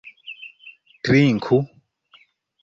Trinku!